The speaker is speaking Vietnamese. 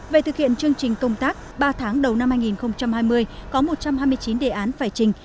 về thực hiện chương trình công tác ba tháng đầu năm hai nghìn hai mươi có một trăm hai mươi chín đề án phải trình